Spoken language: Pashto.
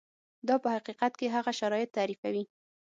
دا په حقیقت کې هغه شرایط تعریفوي.